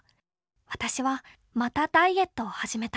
私はまたダイエットを始めた。